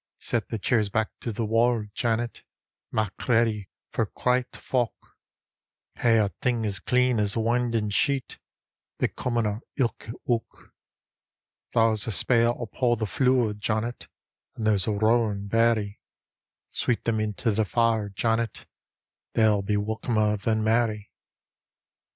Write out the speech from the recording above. Set the chairs back to the wall, .Janet, Mak' ready for quaiet fowk, Hae a' thing as clean as a windin' They comena ilka ook. There's a spale upo' the flure, Janet, And there's a rowan beny. Sweep them into the fire, Janet, — They'll be welcomer than merry.